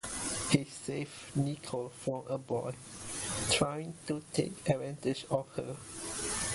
He saves Nicole from a boy trying to take advantage of her.